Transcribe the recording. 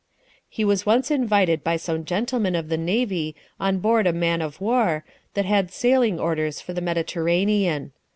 He was once invited by some gentlemen of the navy on board a man of war, that had sailing orders for the Mediterranean.